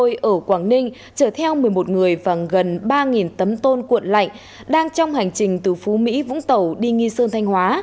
tàu thanh đạt một của công ty cộng phần vận tài sông biển sinh đô ở quảng ninh chở theo một mươi một người và gần ba tấm tôn cuộn lạnh đang trong hành trình từ phú mỹ vũng tàu đi nghi sơn thanh hóa